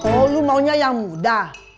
mau lu maunya yang muda